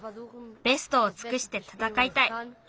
ベストをつくしてたたかいたい。